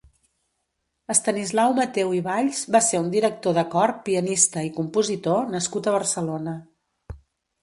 Estanislau Mateu i Valls va ser un director de cor, pianista i compositor nascut a Barcelona.